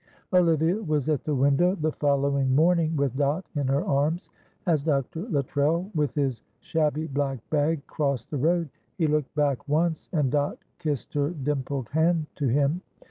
Olivia was at the window the following morning with Dot in her arms. As Dr. Luttrell, with his shabby black bag crossed the road, he looked back once, and Dot kissed her dimpled hand to him.